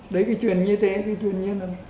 đấy cái chuyện như thế cái chuyện như thế